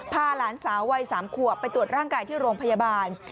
พาหลานสาววัย๓ขวบไปตรวจร่างกายที่โรงพยาบาล